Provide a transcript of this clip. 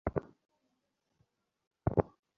তাঁর রূপ রূপের গর্বকে লজ্জা দিত।